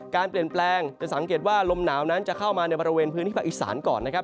การเปลี่ยนแปลงจะสังเกตว่าลมหนาวนั้นจะเข้ามาในบริเวณพื้นที่ภาคอีสานก่อนนะครับ